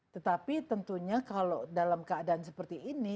tetapi tentunya kalau dalam keadaan seperti ini